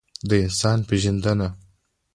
د انسان پېژندنه.